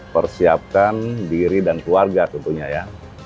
persiapkan diri dan keluarga tentunya ya